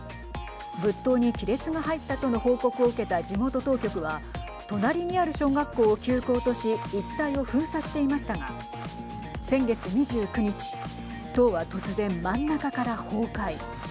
仏塔に亀裂が入ったとの報告を受けた地元当局は隣にある小学校を休校とし一帯を封鎖していましたが先月２９日塔は突然、真ん中から崩壊。